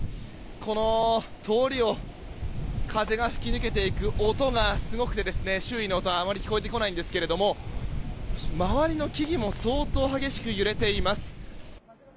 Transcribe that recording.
この通りを風が吹き抜けていく音がすごくて周囲の音はあまり聞こえてこないんですが周りの木々も相当激しく揺れています。